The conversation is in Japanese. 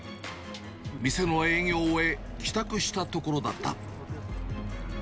店の営業を終え、帰宅したところだった。